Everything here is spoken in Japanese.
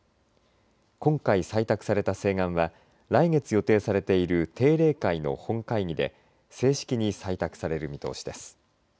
今回、採択された請願は来月予定されている定例会の本会議で正式に採択される見通しです。